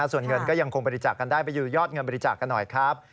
ส่วนเงินก็ยังคงบริจาคกันได้ไปดูยอดเงินบริจาคกันหน่อยครับ